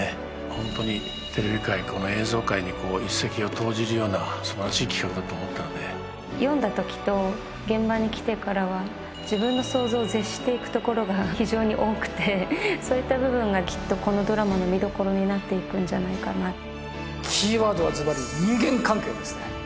ホントにテレビ界この映像界に一石を投じるようなすばらしい企画だと思ったので読んだときと現場に来てからは自分の想像を絶していくところが非常に多くてそういった部分がきっとこのドラマの見どころになっていくんじゃないかなキーワードはズバリ人間関係ですね